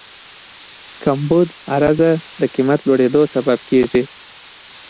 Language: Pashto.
کمبود عرضه د قیمت لوړېدو سبب کېږي.